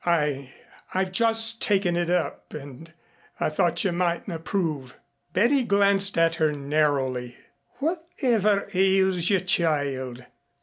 "I I've just taken it up and I thought you mightn't approve." Betty glanced at her narrowly. "Whatever ails you, child?